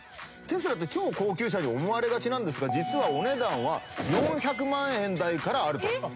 テスラって超高級車に思われがちなんですが実はお値段は４００万円台からあると。